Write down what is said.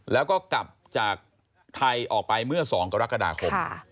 แล้วก็กลับจากไทยออกไปเมื่อ๒กรกฎาคม